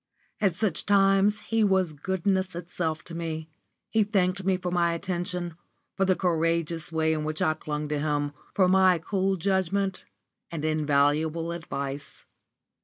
At such times he was goodness itself to me. He thanked me for my attention, for the courageous way in which I clung to him, for my cool judgment, and invaluable advice.